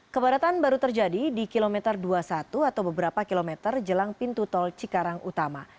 kepadatan baru terjadi di kilometer dua puluh satu atau beberapa kilometer jelang pintu tol cikarang utama